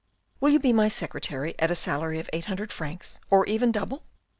Will you be my secretary at a salary of eight hundred francs or even double.